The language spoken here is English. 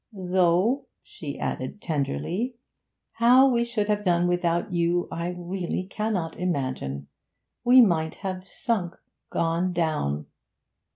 Though,' she added tenderly, 'how we should have done without you, I really cannot imagine. We might have sunk gone down!'